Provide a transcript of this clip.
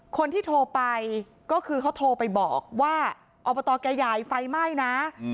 คนที่โทรไปก็คือเขาโทรไปบอกว่าอบตแกใหญ่ไฟไหม้นะ